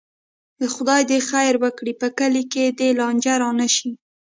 خدای دې خیر وکړي، په کلي کې دې لانجه نه راشي.